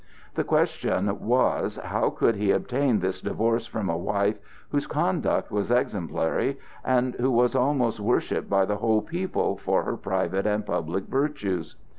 The question was, how could he obtain this divorce from a wife whose conduct was exemplary, and who was almost worshipped by the whole people for her private and public virtues?